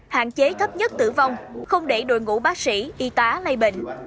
hạn chế thấp nhất tử vong không để đội ngũ bác sĩ y tá lây bệnh